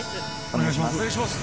お願いします。